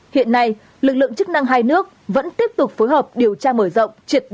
hiện nay lực lượng chức năng hai nước vẫn tiếp tục phối hợp điều tra mở rộng triệt để chuyên án này